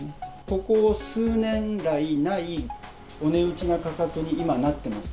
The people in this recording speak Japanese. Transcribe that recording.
ここ数年来ないお値打ちな価格に今、なってます。